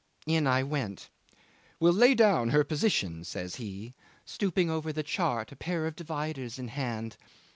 In I went. 'We'll lay down her position,' says he, stooping over the chart, a pair of dividers in hand.